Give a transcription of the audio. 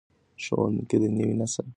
ښوونکي د نوي نسل روزونکي دي.